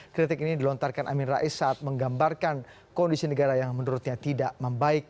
kritik ini dilontarkan amin rais saat menggambarkan kondisi negara yang menurutnya tidak membaik